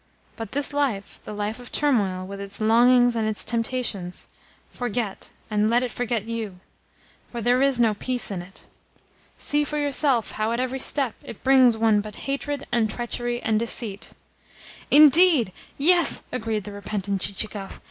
But this life the life of turmoil, with its longings and its temptations forget, and let it forget YOU; for there is no peace in it. See for yourself how, at every step, it brings one but hatred and treachery and deceit." "Indeed, yes!" agreed the repentant Chichikov.